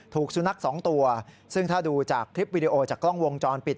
ถูกสุนัขสองตัวซึ่งถ้าดูจากคลิปวิดีโอจากกล้องวงจรปิด